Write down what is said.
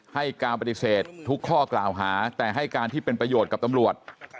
ให้การปฏิเสธทุกข้อกล่าวหาแต่ให้การที่เป็นประโยชน์กับตำรวจ